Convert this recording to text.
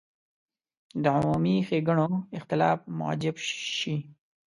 د عمومي ښېګڼو اختلاف موجب شي.